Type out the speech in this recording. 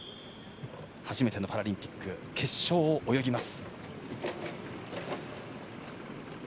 初めてのパラリンピック決勝を泳ぎます。